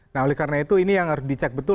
nah oleh karena itu ini yang harus dicek betul